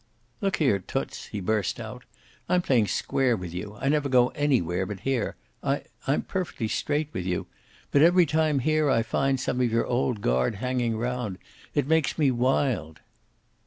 "Look here, Toots," he burst out. "I'm playing square with you. I never go anywhere but here. I I'm perfectly straight with you. But every time here I find some of your old guard hanging round. It makes me wild."